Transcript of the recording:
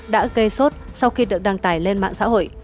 đã gây sốt sau khi được đăng tải lên mạng xã hội